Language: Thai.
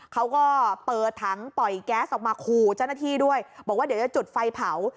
เขาก็เปิดถังปล่อยแก๊สออกมาขู่เจ้าหน้าที่ด้วยบอกว่าเดี๋ยวจะจุดไฟเผา